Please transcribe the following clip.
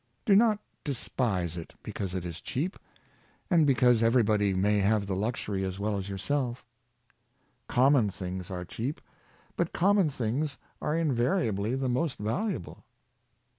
Do not despise it because it is cheap, and because every^ body may have the luxury as well as yourself Com mon things are cheap, but common things are invaria bly the most valuable.